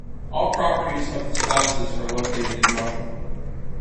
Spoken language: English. All properties of the spouses are located in Russia.